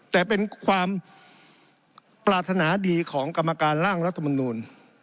แต่เป็นความปรารถนาดีของกรรมการร่างรัฐมนูล